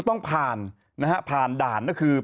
ทางแฟนสาวก็พาคุณแม่ลงจากสอพอ